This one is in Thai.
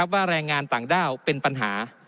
แรงงานต่างด้าวเป็นปัญหา